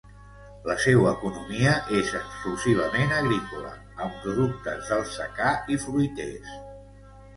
La seua economia és exclusivament agrícola amb productes del secà i fruiters.